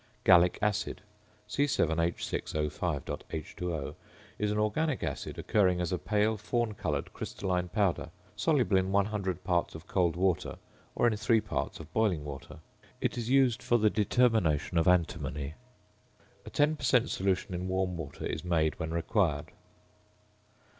~Gallic Acid~ (C_H_O_.H_O) is an organic acid, occurring as a pale fawn coloured crystalline powder, soluble in 100 parts of cold water, or in 3 parts of boiling water. It is used for the determination of antimony. A 10 per cent. solution in warm water is made when required.